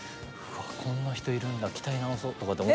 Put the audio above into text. こんな人いるんだ鍛え直そうとかって。